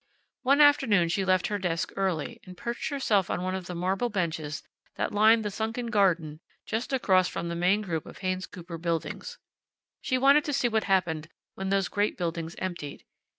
One afternoon she left her desk early, and perched herself on one of the marble benches that lined the sunken garden just across from the main group of Haynes Cooper buildings. She wanted to see what happened when those great buildings emptied.